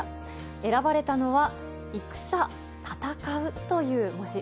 選ばれたのは戦、たたかうという文字。